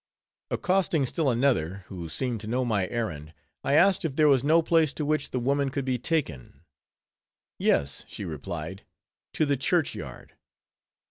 Accosting still another, who seemed to know my errand, I asked if there was no place to which the woman could be taken. "Yes," she replied, "to the church yard."